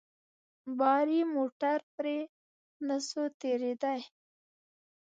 باري موټر پرې نه سو تېرېداى.